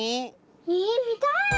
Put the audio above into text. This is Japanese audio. えみたい！